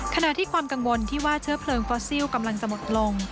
ขณะที่ความกังวลที่ว่าเชื้อเพลิงฟอสซิลกำลังจะหมดลง